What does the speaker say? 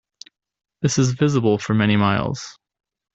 This is visible for many miles.